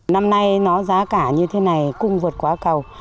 năm nay nó giá cả như thế này cung vượt quá cầu